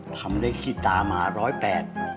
ทำเลขขี้ตามาร้อยแปด